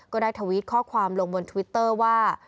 ได้ทวิตข้อความลงบนทวิตเตอร์ว่า